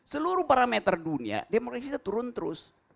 seluruh parameter dunia demokrasi kita turun terus